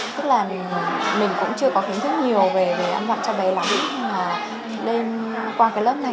tức là mình cũng chưa có kiến thức nhiều về ăn dặm cho bé lắm nhưng mà qua cái lớp này